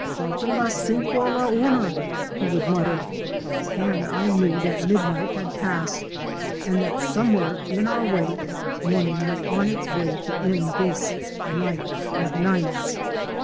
'" Falian las cinco & la una," he would mutter, and I knew that midnight had passed and that somewhere in our wake, morning was on its way to end this night of nights.